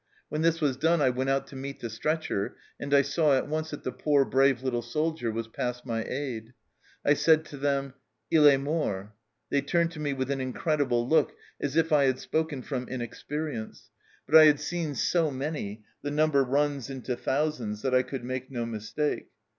When this w r as done I went out to meet the stretcher, and I saw at once that the poor brave little soldier was past my aid. I said to them, ' II est mort.' They turned to me with an incredible look, as if I had spoken from inexperience, but I have seen so 250 THE CELLAR HOUSE OF PERVYSE many the number runs into thousands that I could make no mistake.